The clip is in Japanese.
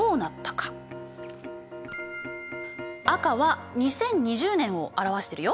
赤は２０２０年を表してるよ。